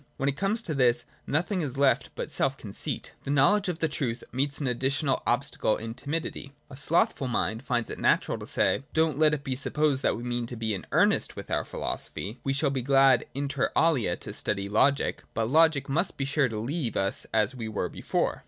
When it comes to this, nothing is left but self conceit. The knowledge of the truth meets an additional obstacle in timidity. A slothful mind finds it natural to say :' Don't ig.j LOGIC — THE QUEST OF TRUTH. 33 let it be supposed that we mean to be in earnest with our philosophy. We shall be glad inter alia to study Logic : but Logic must be sure to leave us as we were before.'